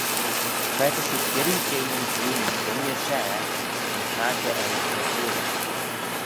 Tra ta shiu girree jeh nyn glioonyn dooinney share ta'n padjer eu ansoorit.